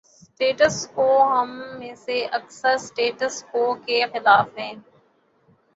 ’Status quo‘ ہم میں سے اکثر 'سٹیٹس کو‘ کے خلاف ہیں۔